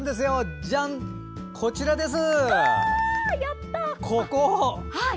こちらです。